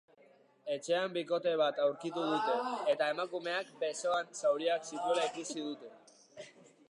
Etxean bikote bat aurkitu dute, eta emakumeak besoan zauriak zituela ikusi dute.